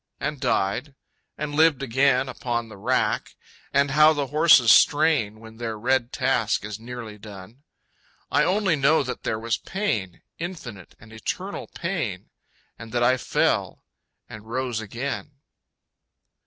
And died... and lived again upon The rack... and how the horses strain When their red task is nearly done.... I only know that there was Pain, Infinite and eternal Pain. And that I fell and rose again.